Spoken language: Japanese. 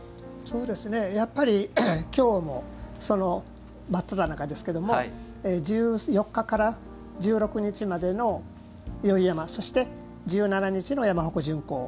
やっぱり、きょうもその真っただ中ですけれども１４日から１６日までの宵山、そして１７日の山鉾巡行。